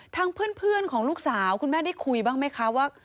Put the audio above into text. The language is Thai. ทางเพื่อนของลูกสาวคุณแม่ได้คุยบ้างไหมคะว่า